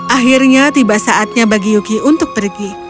akhirnya tiba saatnya bagi yuki untuk pergi